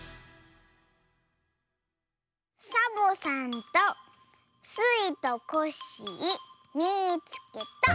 「サボさんとスイとコッシーみいつけた」。